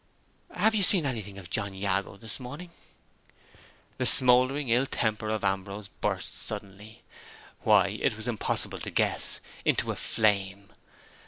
"Have you seen anything of John Jago this morning?" The smoldering ill temper of Ambrose burst suddenly why, it was impossible to guess into a flame.